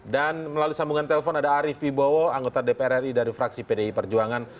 dan melalui sambungan telepon ada arief bibowo anggota dpr ri dari fraksi pdi perjuangan